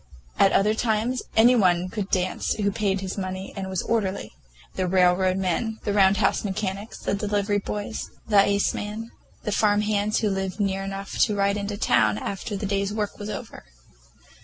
At other times any one could dance who paid his money and was orderly; the railroad men, the Round House mechanics, the delivery boys, the iceman, the farmhands who lived near enough to ride into town after their day's work was over.